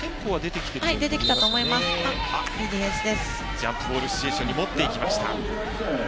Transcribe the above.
ジャンプボールシチュエーションに持っていきました。